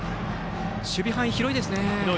守備範囲、広いですね。